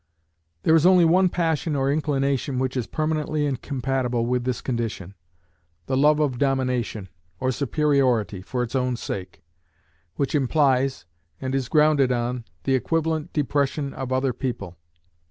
There is only one passion or inclination which is permanently incompatible with this condition the love of domination, or superiority, for its own sake; which implies, and is grounded on, the equivalent depression of other people.